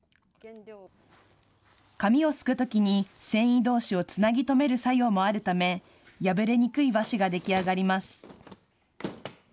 紙をすくときに繊維どうしをつなぎとめる作用もあるため破れにくい和紙が出来上がります。